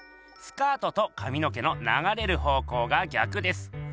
スカートとかみの毛のながれる方向が逆です。